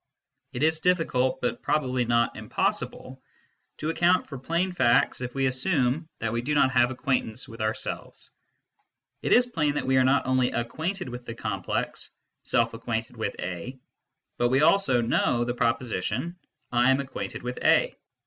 It is difficult, but probably not impossible, to account for plain facts if we assume that we do notjiave acquaintance with ourselves It is plain that we are not only acquainted with the complex " Self acquainted with A," but we also know the proposition " I am acquainted with A."